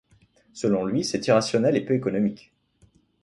Selon lui, c'est irrationnel et peu économique.